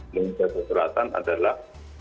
menteri kesehatan adalah